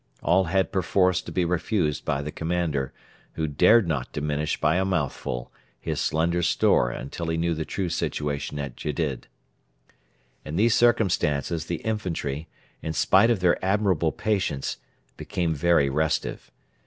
All had perforce to be refused by the commander, who dared not diminish by a mouthful his slender store until he knew the true situation at Gedid. In these circumstances the infantry, in spite of their admirable patience, became very restive.